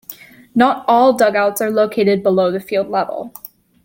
Not all dugouts are located below the field level.